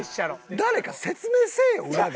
誰か説明せえよ裏で。